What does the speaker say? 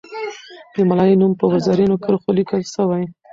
د ملالۍ نوم په زرینو کرښو لیکل سوی.